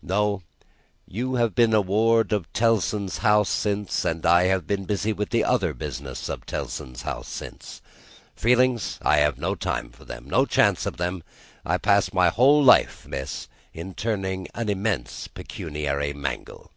No; you have been the ward of Tellson's House since, and I have been busy with the other business of Tellson's House since. Feelings! I have no time for them, no chance of them. I pass my whole life, miss, in turning an immense pecuniary Mangle."